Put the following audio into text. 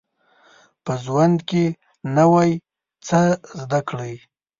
په ژوند کي نوی څه زده کړئ